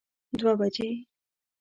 دوه بجی